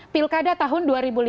pilkada tahun dua ribu lima belas